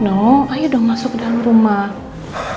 ayo dong masuk ke dalam rumah